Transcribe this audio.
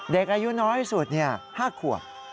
เด็กอายุน้อยสุด๕ขวบ